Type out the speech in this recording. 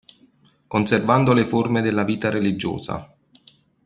Conservando le forme della vita religiosa.